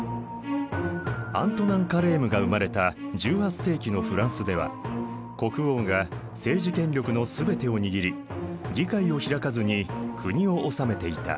アントナン・カレームが生まれた１８世紀のフランスでは国王が政治権力のすべてを握り議会を開かずに国を治めていた。